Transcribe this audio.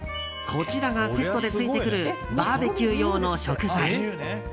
こちらがセットでついてくるバーベキュー用の食材。